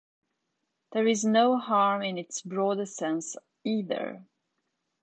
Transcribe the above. There is no harm in its broader sense either.